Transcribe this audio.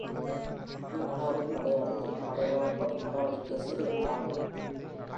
கனடாவின் படையெடுப்பில் படைவகுப்பணி நடவடிக்கை செயலைக் காண்பர்.